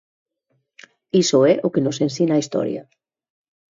Iso é o que nos ensina a historia.